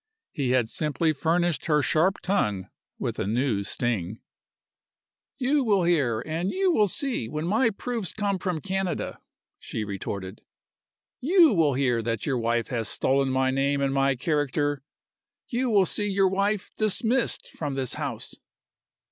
He had simply furnished her sharp tongue with a new sting. "You will hear, and you will see, when my proofs come from Canada," she retorted. "You will hear that your wife has stolen my name and my character! You will see your wife dismissed from this house!"